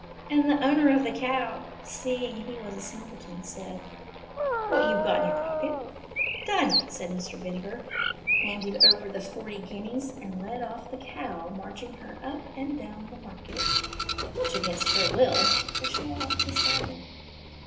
And the owner of the cow, seeing he was a simpleton, said, "What youVe got in your pocket." "Done !" said Mr. Vinegar, handed over the forty guineas and led off the cow, marching her up and down the market, much against her will, to show off his bargain.